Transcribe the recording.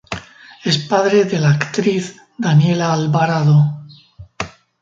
Es padre de la actriz Daniela Alvarado.